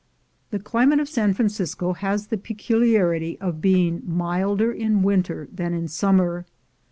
The climate of San Francisco has the peculiarity of being milder in winter than in summer.